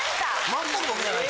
全く僕じゃない。